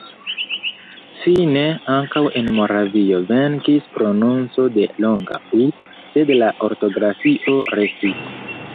Fine ankaŭ en Moravio venkis prononco de longa u, sed la ortografio restis.